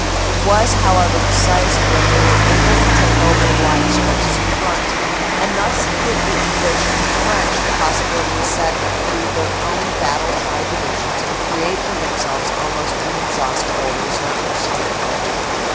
It was, however, decisive that they were able to take over wide stretches of front, and thus give the English and French the possibility to set free their own battle tried divisions and create for themselves almost inexhaustible reserves.